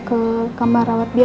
kok kenceng ini